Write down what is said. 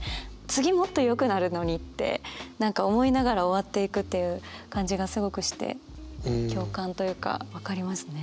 次もっとよくなるのにって何か思いながら終わっていくっていう感じがすごくして共感というか分かりますね。